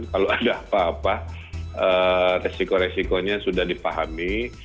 kalau ada apa apa resiko resikonya sudah dipahami